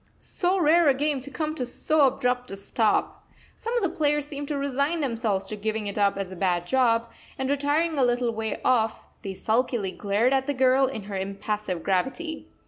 So rare a game to come to so abrupt a stop! Some of the players seemed to resign themselves to giving it up as a bad job; and retiring a little way off, they sulkily glared at the girl in her impassive gravity.